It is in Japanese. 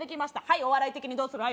はいお笑い的にどうする？